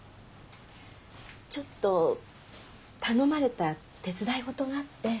ちょっと頼まれた手伝いごとがあって。